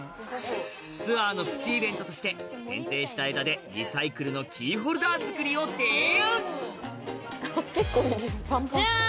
ツアーのプチイベントとして剪定した枝でリサイクルのキーホルダー作りを提案ジャン！